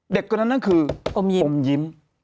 เด็กก็คืออมยิม